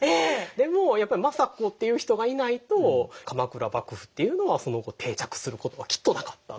でもやっぱり政子っていう人がいないと鎌倉幕府っていうのはその後定着することはきっとなかった。